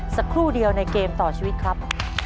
สักครู่เดียวในเกมต่อชีวิตครับ